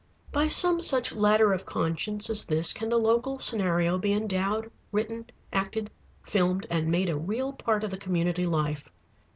By some such ladder of conscience as this can the local scenario be endowed, written, acted, filmed, and made a real part of the community life.